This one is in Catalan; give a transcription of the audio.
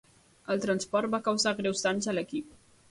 El transport va causar greus danys a l'equip.